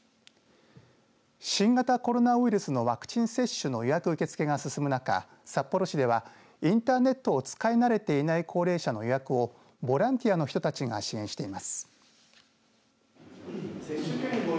新型コロナウイルスのワクチン接種の予約受け付けが進む中札幌市ではインターネットを使い慣れていない高齢者の予約をボランティアの人たちが支援しています。